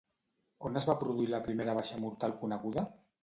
On es va produir la primera baixa mortal coneguda?